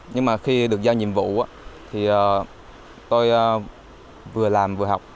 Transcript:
nhưng mà khi được giao nhiệm vụ thì tôi vừa làm vừa học